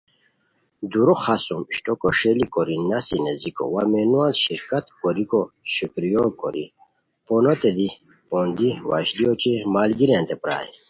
دُورو خاڅوم اشٹوکو ݰئیلی کوری نسی نیزیکو وا مینووان شرکت کوریکو شکریو کوری پونوتے دی پوندی وشلیو اوچے ملگیریانتے پرائے